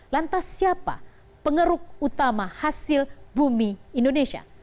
lantas siapa pengeruk utama hasil bumi indonesia